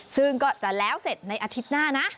ซึ่งก็จะแล้วเสร็จในอาทิตย์หน้านะ